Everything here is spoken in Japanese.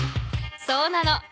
そうなの。